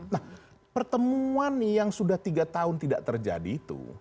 nah pertemuan yang sudah tiga tahun tidak terjadi itu